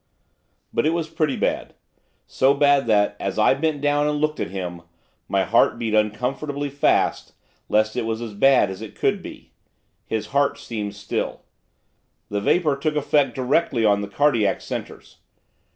But it was pretty bad, so bad that, as I bent down and looked at him, my heart beat uncomfortably fast lest it was as bad as it could be. His heart seemed still, the vapour took effect directly on the cardiac centres.